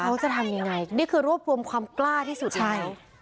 เขาจะทำอย่างไรนี่คือรวบความกล้าที่สุดไหม